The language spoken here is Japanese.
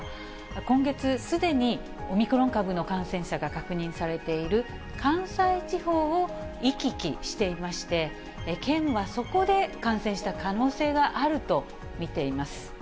今月、すでにオミクロン株の感染者が確認されている関西地方を行き来していまして、県はそこで感染した可能性があると見ています。